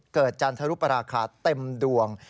จันทรุปราคาเต็มดวง